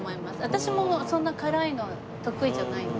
私もそんな辛いの得意じゃないので。